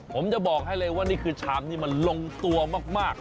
ผมจะบอกให้เลยว่านี่คือชามที่มันลงตัวมาก